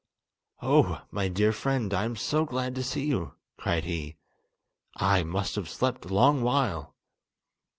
"Oh, my dear friend, I am so glad to see you," cried he, "I must have slept a long while!"